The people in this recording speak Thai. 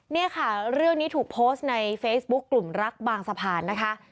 นี่ค่ะเรื่องนี้ถูกโพสต์ในเฟซบุ๊คกลุ่มรักบางสะพานนะคะ